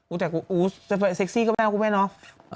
อุ๊ยแต่เซ็กซี่ก็ไม่เอาคุณแม่เนอะ